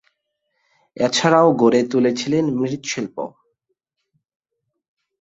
এছাড়াও গড়ে তুলেছিলেন মৃৎশিল্প।